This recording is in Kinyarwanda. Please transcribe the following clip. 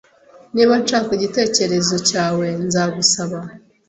Niba nshaka igitekerezo cyawe, nzagusaba